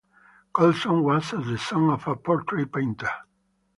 Colson was as the son of a portrait-painter.